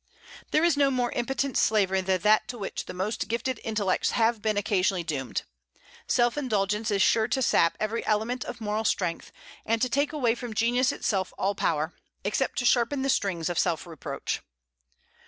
There is no more impotent slavery than that to which the most gifted intellects have been occasionally doomed. Self indulgence is sure to sap every element of moral strength, and to take away from genius itself all power, except to sharpen the stings of self reproach.